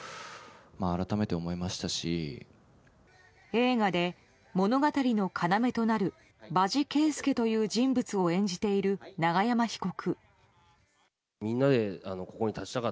映画で、物語の要となる場地圭介という人物を演じている永山被告。